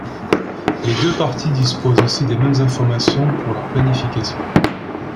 Les deux parties disposent ainsi des mêmes informations pour leur planification.